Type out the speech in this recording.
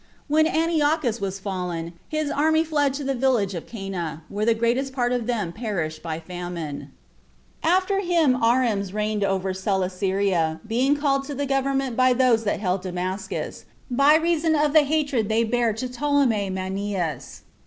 When Antiochus was fallen, his army fled to the village Cana, where the greatest part of them perished by famine. 2. After him 42 Arems reigned over Celesyria, being called to the government by those that held Damascus, by reason of the hatred they bare to Ptolemy Menneus.